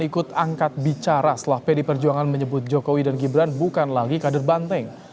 ikut angkat bicara setelah pd perjuangan menyebut jokowi dan gibran bukan lagi kader banteng